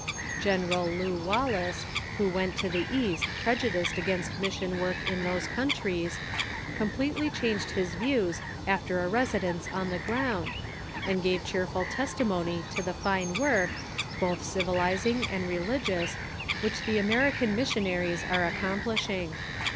General Lew Wallace, who went to the East prejudiced against mission work in those countries, completely changed his views after a resi dence on the ground, and gave cheerful testimony to the fine work, both civilizing and religious, which the American mission aries are accomplishing.